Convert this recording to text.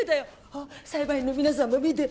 あっ裁判員の皆さんも見て。